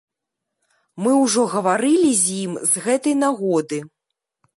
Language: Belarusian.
Мы ўжо гаварылі з ім з гэтай нагоды.